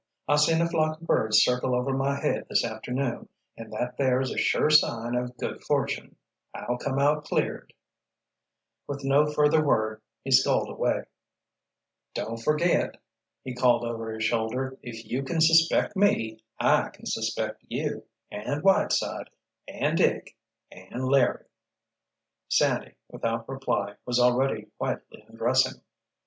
I seen a flock of birds circle over my head this afternoon and that there is a sure sign of good fortune. I'll come out cleared!" With no further word he sculled away. "Don't forget," he called over his shoulder, "if you can suspect me, I can suspect you—and Whiteside—and Dick—and Larry!" Sandy, without reply, was already quietly undressing.